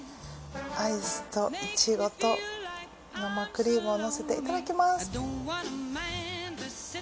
アイスとイチゴと生クリームをのせていただきます。